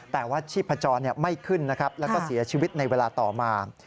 แต่ว่าชีพจรไม่ขึ้นนะครับแล้วก็เสียชีวิตในเวลาต่อมา